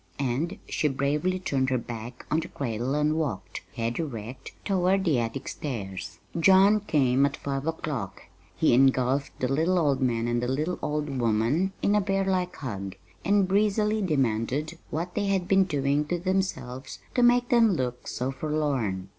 And she bravely turned her back on the cradle and walked, head erect, toward the attic stairs. John came at five o'clock. He engulfed the little old man and the little old woman in a bearlike hug, and breezily demanded what they had been doing to themselves to make them look so forlorn.